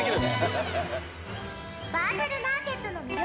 バーチャルマーケットの魅力